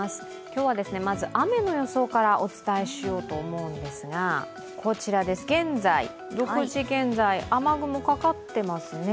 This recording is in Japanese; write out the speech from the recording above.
今日はまず雨の予想からお伝えしようと思うんですが、こちら、６時現在雨雲かかっていますね。